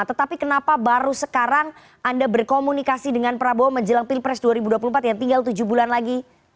tetapi kenapa baru sekarang anda berkomunikasi dengan prabowo menjelang pilpres dua ribu dua puluh empat yang tinggal tujuh bulan lagi